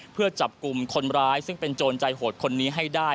เพื่อจับกลุ่มคนร้ายซึ่งเป็นโจรใจโหดคนนี้ให้ได้